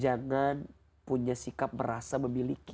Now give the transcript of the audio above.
jangan punya sikap merasa memiliki